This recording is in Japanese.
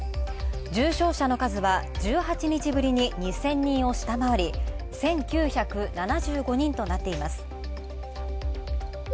重症者の数は１８日ぶりに２０００人を下回り１９７５人となっています。